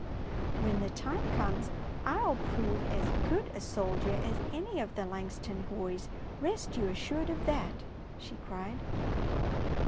" When the time comes, I ^11 prove as good a soldier as any of the Langston boys, rest you assured of that,'^ she cried.